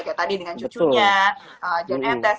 kayak tadi dengan cucunya john m tess